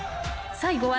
［最後は］